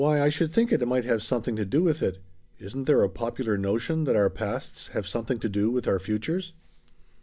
"Why, I should think it might have something to do with it. Isn't there a popular notion that our pasts have something to do with our futures?"